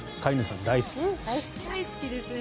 大好きですね。